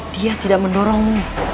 dia tidak mendorongmu